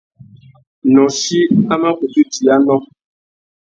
Nôchï a mà kutu djï anô.